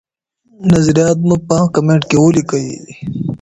نظریات مو په کمنټ کي ولیکئ.